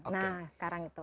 nah sekarang itu